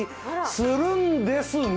するんですね！